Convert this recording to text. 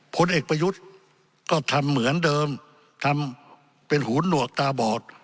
ผลเอกประยุทธ์ก็ทำเหมือนเดิมทำเป็นหูหนวกตาบอด